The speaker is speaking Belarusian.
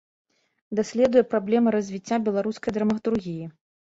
Даследуе праблемы развіцця беларускай драматургіі.